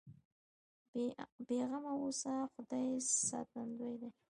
بې غمه اوسه خدای ساتندوی دی.